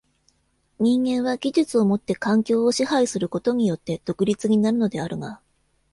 人間は技術をもって環境を支配することによって独立になるのであるが、